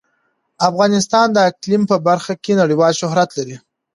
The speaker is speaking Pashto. افغانستان د اقلیم په برخه کې نړیوال شهرت لري.